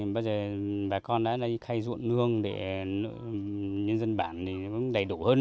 bây giờ bà con đã lấy khay ruộng nương để nhân dân bản đầy đủ hơn